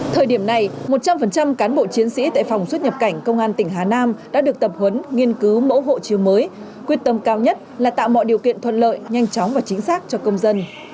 thời điểm này một trăm linh cán bộ chiến sĩ tại phòng xuất nhập cảnh công an tỉnh hà nam đã được tập huấn nghiên cứu mẫu hộ chiếu mới quyết tâm cao nhất là tạo mọi điều kiện thuận lợi nhanh chóng và chính xác cho công dân